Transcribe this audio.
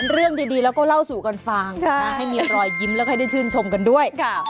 เรื่องดีแล้วก็เล่าสู่กันฟังให้มีรอยยิ้มแล้วก็ให้ได้ชื่นชมกันด้วย